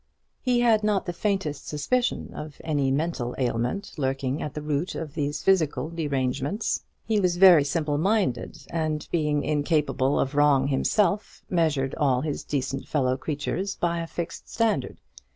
He had not the faintest suspicion of any mental ailment lurking at the root of these physical derangements. He was very simple minded, and, being incapable of wrong himself, measured all his decent fellow creatures by a fixed standard.